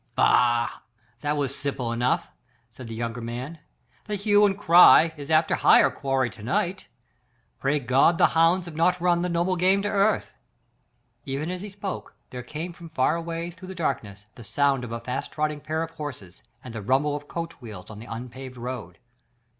"Bah! that was simple enough," said the younger man, "the hue and cry is after higher quarry to night. Pray God the hounds have not run the noble game to earth." Even as he spoke there came from far away through the darkness the sound of a fast trotting pair of horses and the rumble of coach wheels on the unpaved road.